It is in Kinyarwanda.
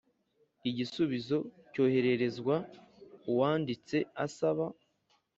igisubizo cyohererezwa uwanditse asaba